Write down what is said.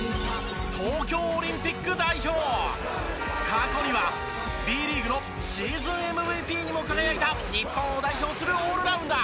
過去にはＢリーグのシーズンＭＶＰにも輝いた日本を代表するオールラウンダー。